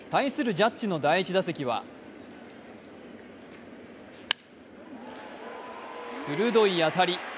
ジャッジの第１打席は鋭い当たり。